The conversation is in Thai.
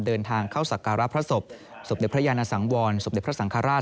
เดินทางเข้าศักระพระศพสมเด็จพระยานสังวรสมเด็จพระสังฆราช